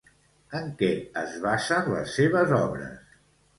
En què es basen les seves obres?